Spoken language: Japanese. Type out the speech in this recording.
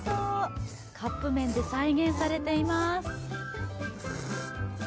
カップ麺で再現されています。